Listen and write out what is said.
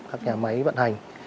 các nhà máy vận hành